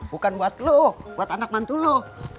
bukan buat lo buat anak mantu lo